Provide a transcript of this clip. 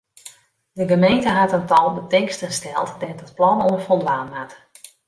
De gemeente hat in tal betingsten steld dêr't it plan oan foldwaan moat.